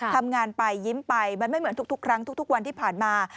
ทำงานไปยิ้มไปมันไม่เหมือนทุกครั้งทุกวันที่ผ่านมา